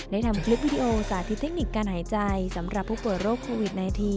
นำคลิปวิดีโอสาธิตเทคนิคการหายใจสำหรับผู้ป่วยโรคโควิด๑๙